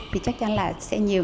thì chắc chắn là sẽ nhiều